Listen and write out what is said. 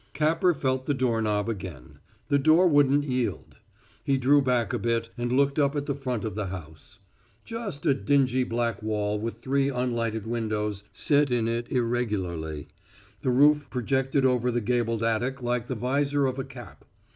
Capper felt the doorknob again; the door wouldn't yield. He drew back a bit and looked up at the front of the house. Just a dingy black wall with three unlighted windows set in it irregularly. The roof projected over the gabled attic like the visor of a cap.